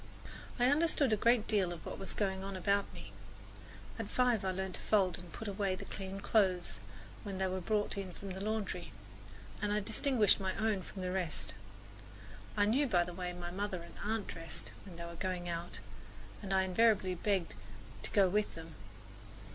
I understood a good deal of what was going on about me. At five I learned to fold and put away the clean clothes when they were brought in from the laundry, and I distinguished my own from the rest. I knew by the way my mother and aunt dressed when they were going out, and I invariably begged to go with them.